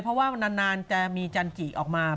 เพราะว่านานจะมีจันจิออกมา